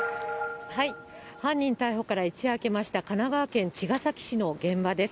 犯人逮捕から一夜明けました、神奈川県茅ヶ崎市の現場です。